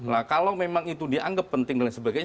nah kalau memang itu dianggap penting dan sebagainya